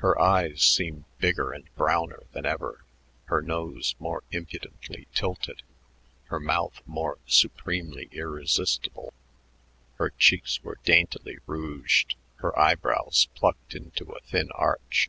Her eyes seemed bigger and browner than ever, her nose more impudently tilted, her mouth more supremely irresistible. Her cheeks were daintily rouged, her eyebrows plucked into a thin arch.